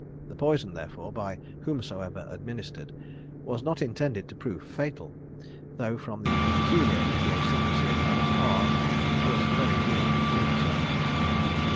The poison, therefore, by whomsoever administered, was not intended to prove fatal, though from the peculiar idiosyncracy of Madame R it was very nearly doing so.